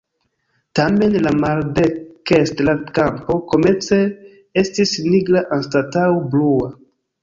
Tamen la maldekstra kampo komence estis nigra anstataŭ blua.